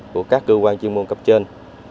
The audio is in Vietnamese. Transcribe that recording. của các cơ quan chuyên môn cấp trên